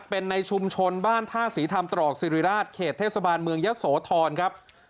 เป็นในชุมชนบ้านท่าศรีธรรมตรอกศิริราชเขตเทศบาลเมืองยะโสธรครับ